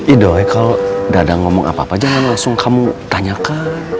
ih doi kalo dadah ngomong apa apa jangan langsung kamu tanyakan